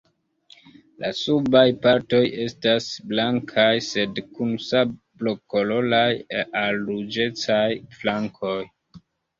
La subaj partoj estas blankaj, sed kun sablokoloraj al ruĝecaj flankoj.